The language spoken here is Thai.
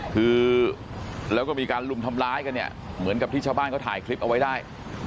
คือแล้วก็มีการลุมทำร้ายกันเนี่ยเหมือนกับที่ชาวบ้านเขาถ่ายคลิปเอาไว้ได้